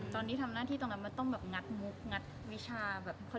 ตอนนี้ทำหน้าที่ตรงนั้นมันต้องแบบงัดมุกงัดวิชาแบบ